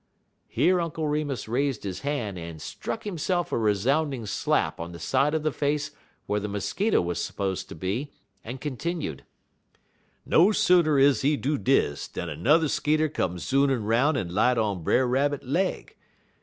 '" Here Uncle Remus raised his hand and struck himself a resounding slap on the side of the face where the mosquito was supposed to be, and continued: "No sooner is he do dis dan ne'r skeeter come zoonin' 'roun' en light on Brer Rabbit leg.